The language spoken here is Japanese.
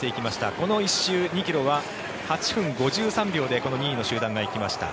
この１周２ｋｍは８分５３秒でこの２位の集団が行きました。